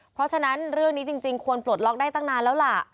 เพราะฉะนั้นเรื่องนี้จริงควรปลดล็อกได้ตั้งนานแล้วล่ะ